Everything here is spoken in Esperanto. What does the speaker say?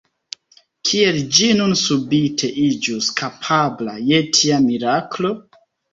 Kiel ĝi nun subite iĝus kapabla je tia miraklo?